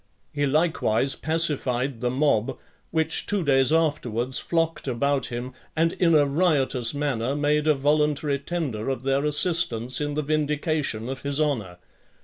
He likewise pacified the mob, which two days afterwards flocked about him, and in a riotous manner made a voluntary tender of their assistance in the vindication of his (11) honour.